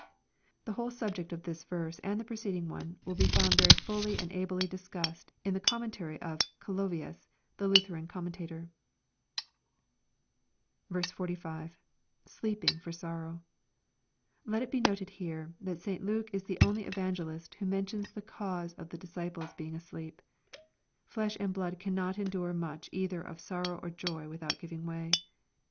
The whole subject of this verse and the preceding one will be found very fuUy and ably discussed in the Commentary of Calov ius, the Lutheran commentator. 45. — [Sleeping for sorrow.] Let it be noted here, that St. Luke ia the only evangelist who mentions the cause of the disciples bein^ asleep. Flesh and blood cannot endure much either of sorrow or joy, without giving way.